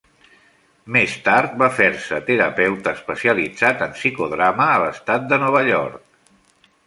Més tard va fer-se terapeuta especialitzat en psicodrama a l'estat de Nova York.